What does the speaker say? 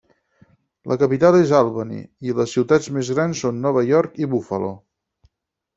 La capital és Albany i les ciutats més grans són Nova York i Buffalo.